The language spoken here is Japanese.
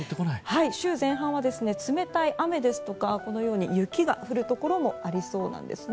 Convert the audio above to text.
週前半は冷たい雨ですとかこのように雪が降るところもありそうなんです。